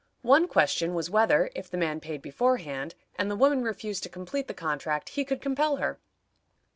One question was whether, if the man paid beforehand, and the woman refused to complete the contract, he could compel her?